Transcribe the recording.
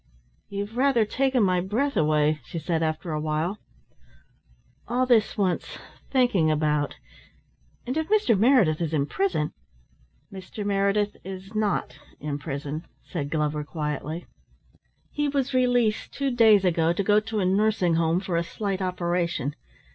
"You've rather taken my breath away," she said after a while. "All this wants thinking about, and if Mr. Meredith is in prison " "Mr. Meredith is not in prison," said Glover quietly. "He was released two days ago to go to a nursing home for a slight operation.